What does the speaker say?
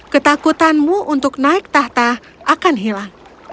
ketakutanmu untuk naik tahta akan hilang